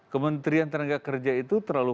kementerian tenaga kerja itu terlalu